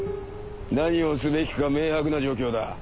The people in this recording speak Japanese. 何をすべきか明白な状況だ。